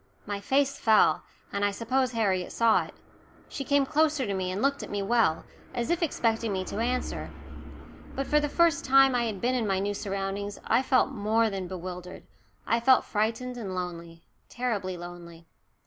My face fell, and I suppose Harriet saw it. She came closer to me and looked at me well, as if expecting me to answer. But for the first time since I had been in my new surroundings I felt more than bewildered I felt frightened and lonely, terribly lonely.